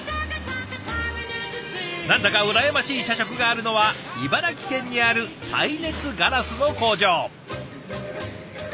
何だか羨ましい社食があるのは茨城県にある耐熱ガラスの工場。